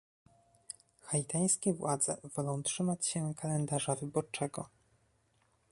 Haitańskie władze wolą trzymać się kalendarza wyborczego